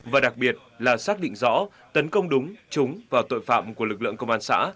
và đặc biệt là xác định rõ tấn công đúng trúng và tội phạm của lực lượng công an xã